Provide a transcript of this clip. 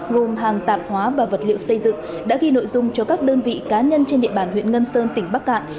gồm hàng tạp hóa và vật liệu xây dựng đã ghi nội dung cho các đơn vị cá nhân trên địa bàn huyện ngân sơn tỉnh bắc cạn